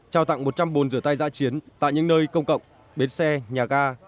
trao tặng một trăm linh bồn rửa tay dã chiến tại những nơi công cộng bến xe nhà ga